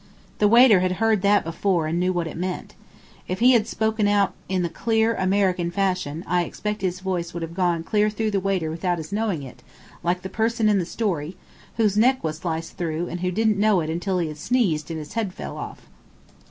The waiter had heard that before and knew what it meant. If he had spoken out in the clear American fashion I expect his voice would have gone clear through the waiter without his knowing it, like the person in the story, whose neck was sliced through and who didn't know it until he sneezed and his head fell off.